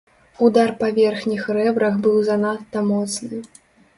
Удар па верхніх рэбрах быў занадта моцны.